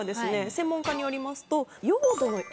専門家によりますと。